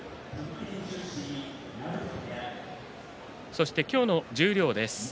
そして今日の十両です。